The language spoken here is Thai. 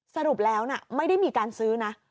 สรุปแล้วไม่ได้มีการซื้อนะ